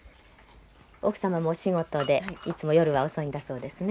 奥さまもお仕事でいつも夜は遅いんだそうですね。